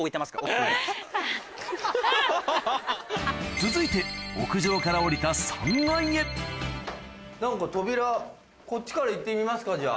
続いて屋上から下りた何か扉こっちから行ってみますかじゃあ。